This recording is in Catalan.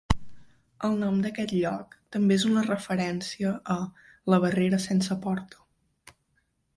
El nom d'aquest lloc també és una referència a "La barrera sense porta".